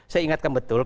saya ingatkan betul